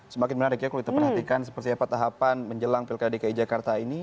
semakin menarik ya kalau kita perhatikan seperti apa tahapan menjelang pilkada dki jakarta ini